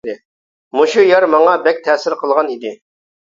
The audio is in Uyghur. مۇشۇ يەر ماڭا بەك تەسىر قىلغان ئىدى.